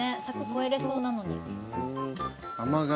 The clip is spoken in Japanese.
柵越えれそうなのに。